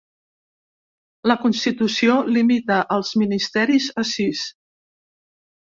La Constitució limita els ministeris a sis.